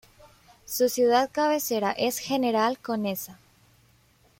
Su ciudad cabecera es General Conesa.